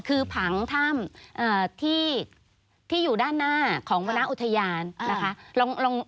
คือผังถ้ำที่อยู่ด้านหน้าของวรรณอุทยานนะคะ